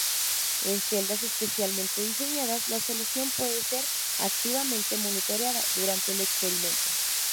En celdas especialmente diseñadas la solución puede ser activamente monitoreada durante el experimento.